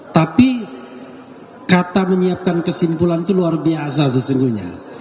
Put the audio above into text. tapi kata menyiapkan kesimpulan itu luar biasa sesungguhnya